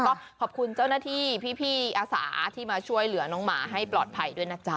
ก็ขอบคุณเจ้าหน้าที่พี่อาสาที่มาช่วยเหลือน้องหมาให้ปลอดภัยด้วยนะจ๊ะ